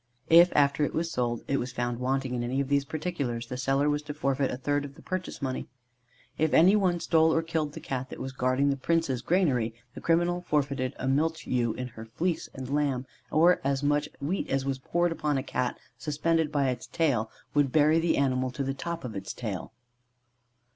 If after it was sold, it was found wanting in any of these particulars, the seller was to forfeit a third of the purchase money. If any one stole or killed the Cat that was guarding the prince's granary, the criminal forfeited a milch ewe with her fleece and lamb, or as much wheat as when poured upon a Cat suspended by its tail, would bury the animal up to the top of its tail.